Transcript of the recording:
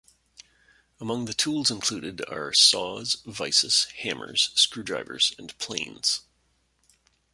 Among the tools included are: saws, vises, hammers, screwdrivers, and planes.